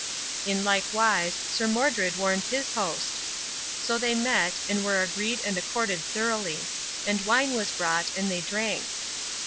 In like wise Sir Modred warned his host. So they met, and were agreed and accorded thoroughly. And wine was brought, and they drank.